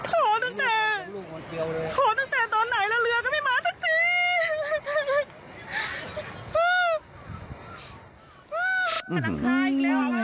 โหตั้งแต่ตอนไหนแล้วเรือก็ไม่มาจริง